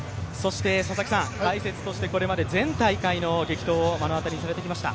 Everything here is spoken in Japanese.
佐々木さん、解説としてこれまで全体会の激闘を目の当たりにされてきました。